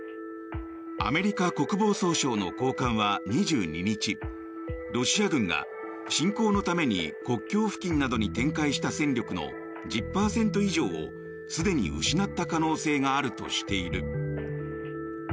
アメリカ国防総省の高官は２２日ロシア軍が、侵攻のために国境付近などに展開した戦力の１０％以上をすでに失った可能性があるとしている。